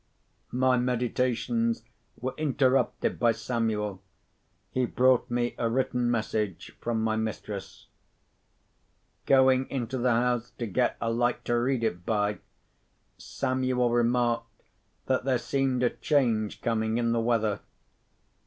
My meditations were interrupted by Samuel. He brought me a written message from my mistress. Going into the house to get a light to read it by, Samuel remarked that there seemed a change coming in the weather.